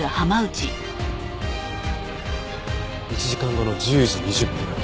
１時間後の１０時２０分。